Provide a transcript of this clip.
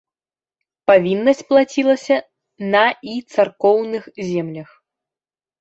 Павіннасць плацілася на і царкоўных землях.